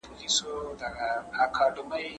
ما مخکي د سبا لپاره د ژبي تمرين کړی وو..